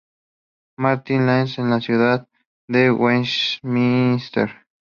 Martin's Lane en la Ciudad de Westminster.